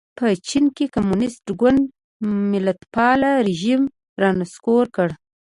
په چین کې کمونېست ګوند ملتپال رژیم را نسکور کړ.